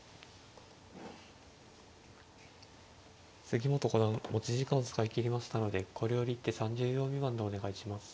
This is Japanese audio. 杉本五段持ち時間を使い切りましたのでこれより一手３０秒未満でお願いします。